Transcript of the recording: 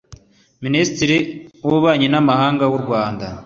Minisitiri w’Ububanyi n’amahanga w’u Rwanda